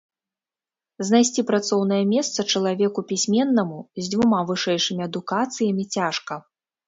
Знайсці працоўнае месца чалавеку пісьменнаму, з дзвюма вышэйшымі адукацыямі цяжка.